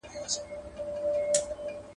• چرته هندوان، چرته توتان.